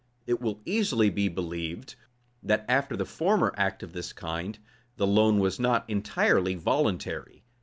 It will easily be believed, that after the former act of this kind, the loan was not entirely voluntary.